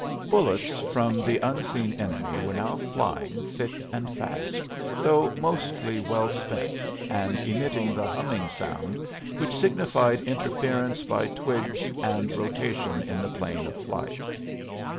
Bullets from the unseen enemy were now flying thick and fast, though mostly well spent and emitting the humming sound which signified interference by twigs and rotation in the plane of flight.